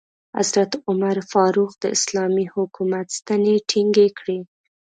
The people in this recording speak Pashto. حضرت عمر فاروق د اسلامي حکومت ستنې ټینګې کړې.